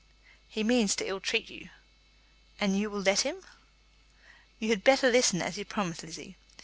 "He means to ill treat you." "And you will let him?" "You had better listen, as you promised, Lizzie.